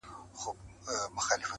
پر سر وا مي ړوه یو مي سه تر سونډو,